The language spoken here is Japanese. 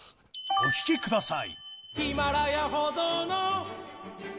お聴きください。